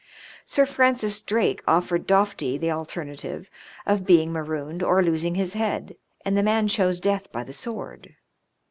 Sir Francis Drake offered Doughty the alternative of being marooned or losing his head, and the man chose death by the sword.